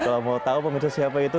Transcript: kalau mau tahu pemirsa siapa itu